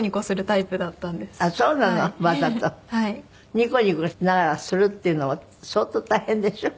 ニコニコしながらするっていうのも相当大変でしょ？